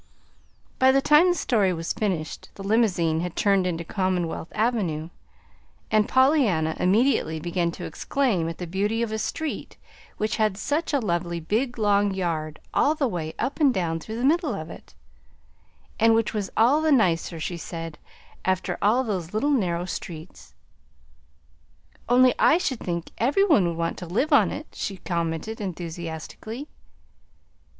By the time the story was finished the limousine had turned into Commonwealth Avenue, and Pollyanna immediately began to exclaim at the beauty of a street which had such a "lovely big long yard all the way up and down through the middle of it," and which was all the nicer, she said, "after all those little narrow streets." "Only I should think every one would want to live on it," she commented enthusiastically.